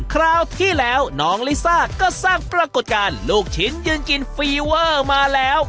คราวที่แล้วน้องลิซ่าก็สร้างปรากฏการณ์ลูกชิ้นยืนกินฟีเวอร์มาแล้ว